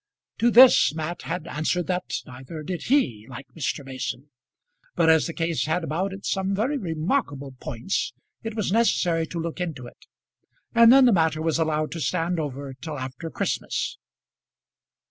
To this Mat had answered that neither did he like Mr. Mason; but as the case had about it some very remarkable points, it was necessary to look into it; and then the matter was allowed to stand over till after Christmas.